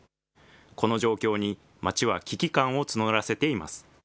この状況に町は危機感を募らせています。